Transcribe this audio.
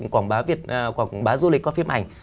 quảng bá du lịch qua phim ảnh